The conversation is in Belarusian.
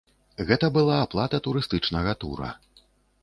Гэта была аплата турыстычнага тура.